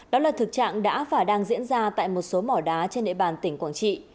đó là thực trạng đã và đang diễn ra tại một số mỏ đá trên địa bàn tỉnh quảng trị